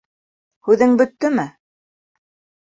Һүҙең бөттөмө?